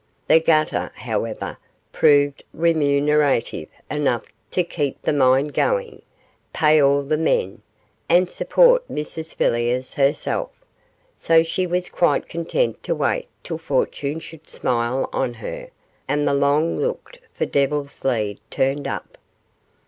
The gutter, however, proved remunerative enough to keep the mine going, pay all the men, and support Mrs Villiers herself, so she was quite content to wait till fortune should smile on her, and the long looked for Devil's Lead turned up.